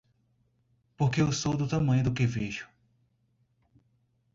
Porque eu sou do tamanho do que vejo.